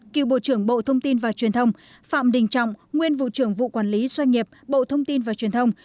cựu bộ trưởng bộ thông tin và truyền thông phạm đình trọng nguyên vụ trưởng vụ quản lý doanh nghiệp bộ thông tin và truyền thông